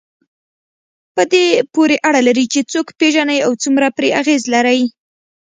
په دې پورې اړه لري چې څوک پېژنئ او څومره پرې اغېز لرئ.